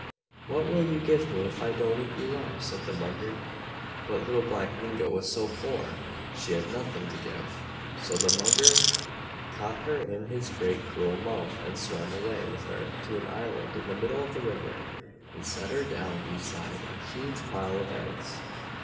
"What will you give me, if I don't eat you up?" said the Mugger. But Little Black Mingo was so poor she had nothing to give. So the Mugger caught her in his great cruel mouth and swam away with her to an island in the middle of the river and set her down beside a huge pile of eggs.